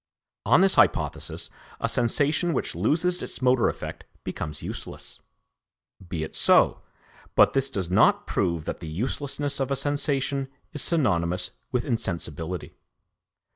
On this hypothesis, a sensation which loses its motor effect becomes useless. Be it so; but this does not prove that the uselessness of a sensation is synonymous with insensibility.